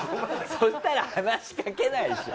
そしたら話しかけないでしょ。